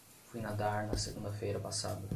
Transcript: Fui nadar na segunda-feira passada.